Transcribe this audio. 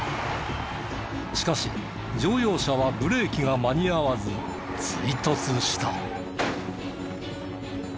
しかし乗用車はブレーキが間に合わず追突した。